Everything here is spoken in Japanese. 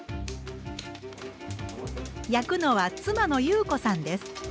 焼くのは妻の優子さんです。